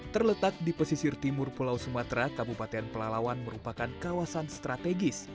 terletak di pesisir timur pulau sumatera kabupaten pelalawan merupakan kawasan strategis